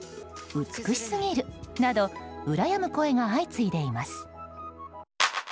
美しすぎるなどうらやむ声が相次いでいます。